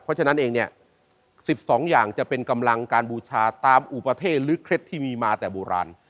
เพราะฉะนั้นเองเนี่ย๑๒อย่างจะเป็นกำลังการบูชาตามอุปเทศหรือเคล็ดที่มีมาแต่โบราณ